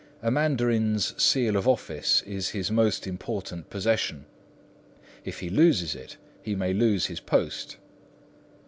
A mandarin's seal of office is his most important possession. If he loses it, he may lose his post.